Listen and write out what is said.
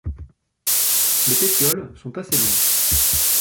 Les pétioles sont assez longs.